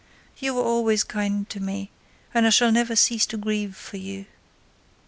You were always kind to me and I shall never cease to grieve for you."